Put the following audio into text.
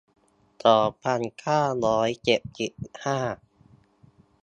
สองพันเก้าร้อยเจ็ดสิบห้า